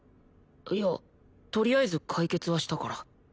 いやとりあえず解決はしたから。